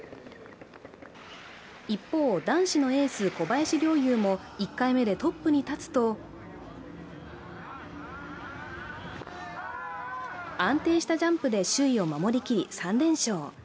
一方、男子のエース・小林陵侑も１回目でトップに立つと安定したジャンプで首位を守りきり３連勝。